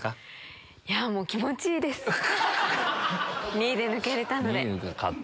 ２位で抜けれたので。